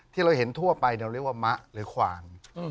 ที่เราเห็นทั่วไปเราเรียกว่ามะหรือขวาน